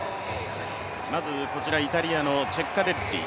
まずイタリアのチェッカレッリ。